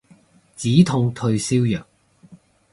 止痛退燒藥